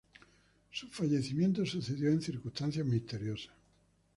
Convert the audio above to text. Su fallecimiento sucedió en circunstancias misteriosas.